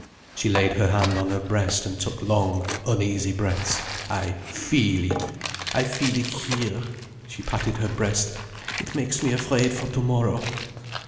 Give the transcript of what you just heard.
She laid her hand on her breast, and took long, uneasy breaths. "I feel it. I feel it here." She patted her breast. "It makes me afraid for tomorrow.